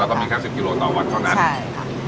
แล้วก็มีแค่สิบกิโลต่อวันเท่านั้นใช่ค่ะ